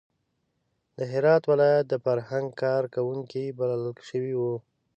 د هرات ولایت د فرهنګ کار کوونکي بلل شوي وو.